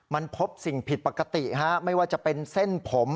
มันพบสิ่งผิดปกติฮะไม่ว่าจะเป็นเส้นผม